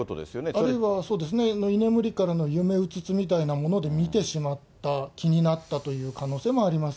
あるいは、そうですね、居眠りからの夢うつつみたいなもので見てしまった、気になったという可能性もあります。